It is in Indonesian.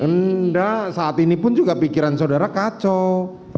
enggak saat ini pun juga pikiran saudara kacau